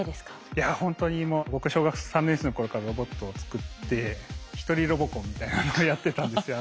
いやほんとにもう僕小学３年生の頃からロボットを作って一人ロボコンみたいなのをやってたんですよ。